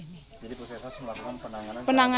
jadi prosesnya melakukan penanganan